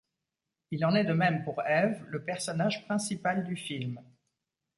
Il en est de même pour Eve, le personnage principal du film.